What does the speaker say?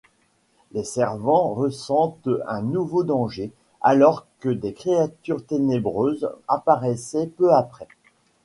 Les Servants ressentent un nouveau danger alors que des créatures ténébreuses apparaissent peu après.